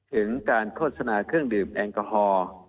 ถึงการโฆษณาเครื่องดื่มแอลกอฮอล์